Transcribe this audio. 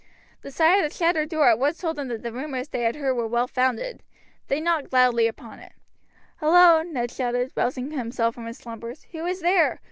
The sight of the shattered door at once told them that the rumors they had heard were well founded. They knocked loudly upon it. "Hullo!" Ned shouted, rousing himself from his slumbers; "who is there?